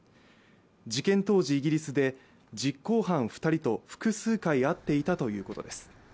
事件当時、イギリスで実行犯２人と複数回会っていたということです。